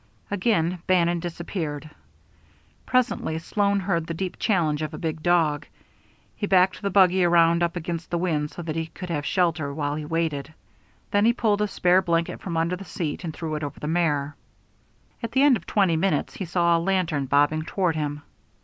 Again Bannon disappeared. Presently Sloan heard the deep challenge of a big dog. He backed the buggy around up against the wind so that he could have shelter while he waited. Then he pulled a spare blanket from under the seat and threw it over the mare. At the end of twenty minutes, he saw a lantern bobbing toward him.